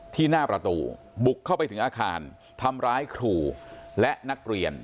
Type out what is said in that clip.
ที่หน้าประตูบุกเข้าไปถึงอาคารทำร้ายครูและนักเรียน